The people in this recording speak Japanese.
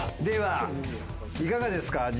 ではいかがですか？